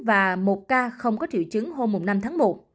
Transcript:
và một ca không có triệu chứng hôm năm tháng một